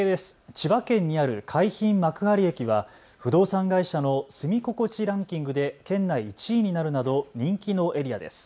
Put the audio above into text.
千葉県にある海浜幕張駅は不動産会社の住みここちランキングで県内１位になるなど人気のエリアです。